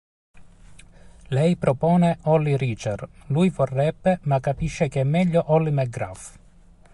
Lei propone "Holly Reacher"; lui vorrebbe ma capisce che è meglio "Holly McGrath".